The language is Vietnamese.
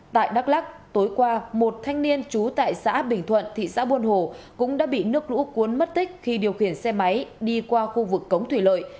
tại đắk lắc tối qua một thanh niên trú tại xã bình thuận thị xã buôn hồ cũng đã bị nước lũ cuốn mất tích khi điều khiển xe máy đi qua khu vực cống thủy lợi